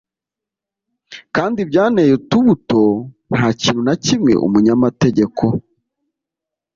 kandi byanteye utubuto Ntakintu nakimwe umunyamategeko